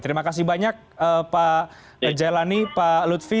terima kasih banyak pak jailani pak lutfi